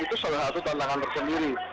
itu tantangan tersendiri